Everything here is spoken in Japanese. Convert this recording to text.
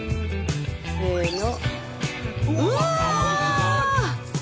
せの。